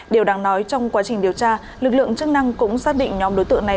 điều đáng nói trong quá trình điều tra lực lượng chức năng cũng xác định nhóm đối tượng này